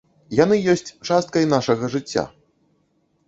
Яны ёсць часткай нашага жыцця.